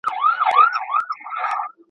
د قدرت مي ورته جوړه كړله لاره